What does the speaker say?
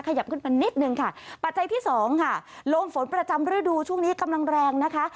ขยับขึ้นมานิดนึงค่ะปัจจัยที่สองค่ะลมฝนประจำฤดูช่วงนี้กำลังแรงนะคะ